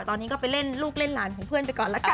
ตอนนี้ก็ไปเล่นลูกเล่นหลานของเพื่อนไปก่อนละกัน